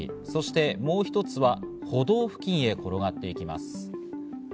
そしてもう一つは歩道付近へ転がっていきます。